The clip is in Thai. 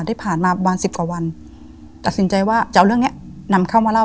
ที่ผ่านมาประมาณสิบกว่าวันตัดสินใจว่าจะเอาเรื่องเนี้ยนำเข้ามาเล่า